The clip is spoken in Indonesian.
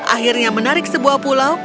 akhirnya menarik sebuah pulau